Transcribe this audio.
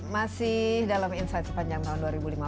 masih dalam insight sepanjang tahun dua ribu lima belas